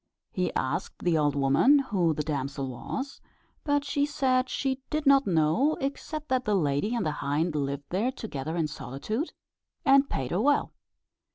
He asked the old woman who the damsel was, but she said she did not know, except that the lady and the hind lived there together in solitude, and paid her well.